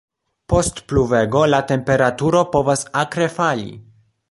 Post pluvego, la temperaturo povas akre fali.